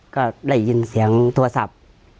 ก็ได้ยินเสียงโทรศัพท์